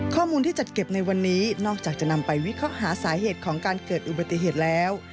ข้อมูลที่จัดเก็บในวันนี้นอกจากจะนำไปวิเคราะห์หาสาเหตุของการเกิดอุบัติเหตุแล้ว